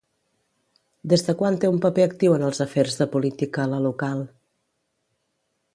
Des de quan té un paper actiu en els afers de política la local?